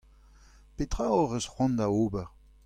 Petra hoc'h eus c'hoant da ober ?